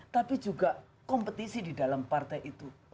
tapi juga kompetisi di dalam partai itu